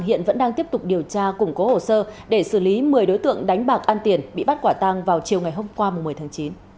hiện vẫn đang tiếp tục điều tra củng cố hồ sơ để xử lý một mươi đối tượng đánh bạc ăn tiền bị bắt quả tăng vào chiều ngày hôm qua một mươi tháng chín